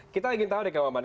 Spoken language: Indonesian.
kita ingin tahu deh kang maman